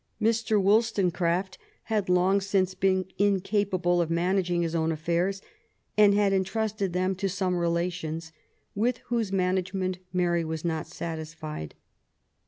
Mr. WoUstonecraft had long since been incapable of managing his own affairs, and had intrusted them to some relations, with whose management Mary was not satisfied.